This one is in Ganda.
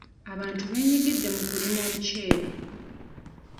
Abantu beenyigidde mu kulima omuceere.